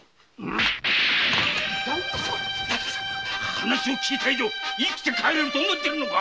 話を聞いた以上生きて帰れると思っているのか！